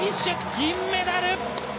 銀メダル。